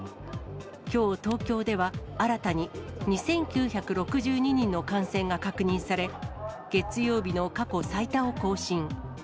きょう、東京では新たに２９６２人の感染が確認され、月曜日の過去最多を更新。